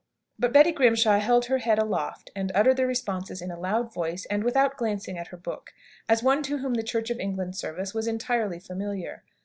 But Betty Grimshaw held her head aloft, and uttered the responses in a loud voice, and without glancing at her book, as one to whom the Church of England service was entirely familiar.